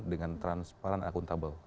dengan transparan akuntabel